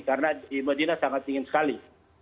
karena di medina sangat dingin sekali